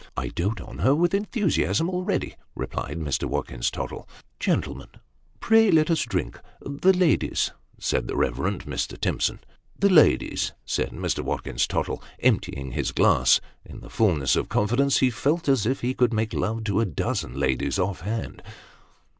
" I dote on her with enthusiasm already !" replied Mr. Watkins Tottle. " Gentlemen, pray let us drink the ladies,' " said the Keverend Mr. Timson. " The ladies !" said Mr. Watkins Tottle, emptying his glass. In the fulness of his confidence, he felt as if he could make love to a dozen ladies, off hand.